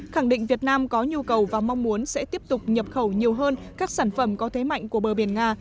khẳng định việt nam có nhu cầu và mong muốn sẽ tiếp tục nhập khẩu nhiều hơn các sản phẩm có thế mạnh của bờ biển nga